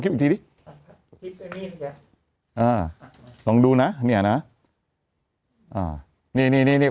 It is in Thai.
คลิปอีกทีดิอ่าลองดูนะเนี่ยนะอ่าเนี่ยเนี่ยเนี่ยเนี่ย